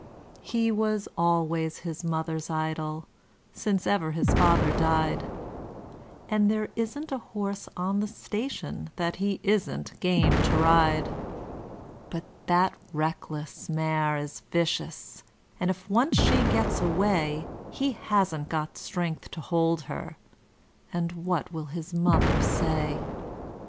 'He was always his mother's idol, since ever his father died; And there isn't a horse on the station that he isn't game to ride. But that Reckless mare is vicious, and if once she gets away He hasn't got strength to hold her and what will his mother say?'